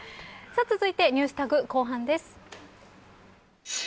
さあ続いてＮｅｗｓＴａｇ後半です。